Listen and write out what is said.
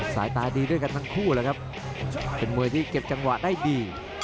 สายตาดีด้วยกันทั้งคู่เลยครับเป็นมวยที่เก็บจังหวะได้ดี